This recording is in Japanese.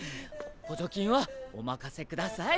補助金はお任せください。